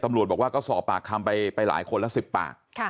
ตำรวจบอกว่าก็สอบปากคำไปหลายคนละ๑๐ปาก